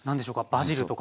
バジルとか。